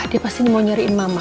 dia pasti mau nyariin mama